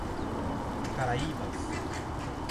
Caraíbas